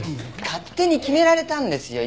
勝手に決められたんですよ！